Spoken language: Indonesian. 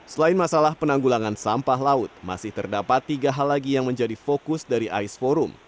selain masalah penanggulangan sampah laut masih terdapat tiga hal lagi yang menjadi fokus dari ais forum